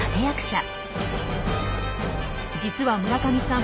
実は村上さん